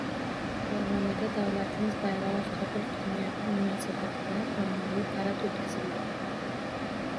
Farg‘onada davlatimiz bayrog‘i qabul qilingan kun munosabati bilan ommaviy parad o‘tkazildi